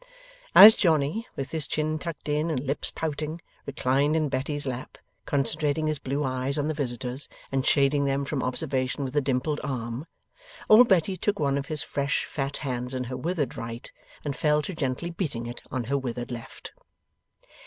As Johnny, with his chin tucked in and lips pouting, reclined in Betty's lap, concentrating his blue eyes on the visitors and shading them from observation with a dimpled arm, old Betty took one of his fresh fat hands in her withered right, and fell to gently beating it on her withered left.